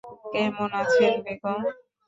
কেমন আছেন বেগম?